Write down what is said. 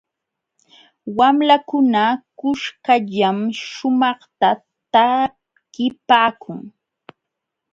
Wamlakuna kuskallam shumaqta takipaakun.